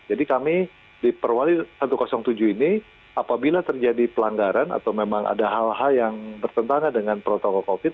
jadi kami di perwali satu ratus tujuh ini apabila terjadi pelanggaran atau memang ada hal hal yang bertentangan dengan protokol covid